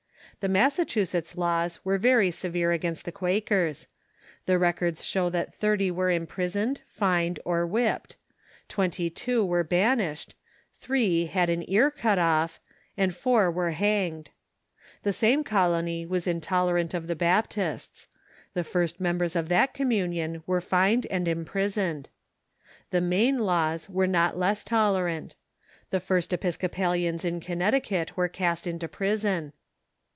The Massachusetts laws were very severe against the Quakers. The records show that thirty were imprisoned, fined, or whipped ; twenty two were banished, three had an ear cut off, and four were hanged. The same colony was intolerant of the Baptists. The first members of that communion were fined and imprisoned. The Maine laws were not less intolerant. The first Episcopalians in Connecticut were cast into prison.